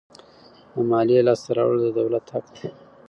د مالیې لاسته راوړل د دولت حق دی.